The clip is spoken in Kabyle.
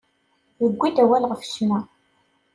Yewwi-d awal ɣef ccna.